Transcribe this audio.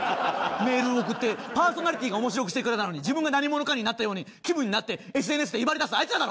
メールを送ってパーソナリティーが面白くしてくれたのに自分が何者かになったような気分になってＳＮＳで威張りだすあいつらだろ！